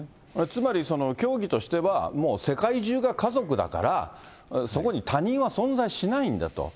つまり、教義としてはもう世界中が家族だから、そこに他人は存在しないんだと。